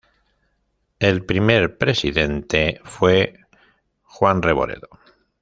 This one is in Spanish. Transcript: El primer presidente fue Juan Revoredo.